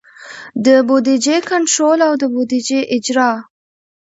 د بودیجې کنټرول او د بودیجې اجرا.